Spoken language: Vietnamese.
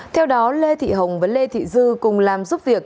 theo đó lê thị hồng và lê thị dư cùng làm giúp việc